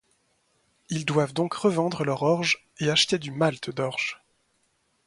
Ils doivent donc revendre leur orge et acheter du malt d'orge.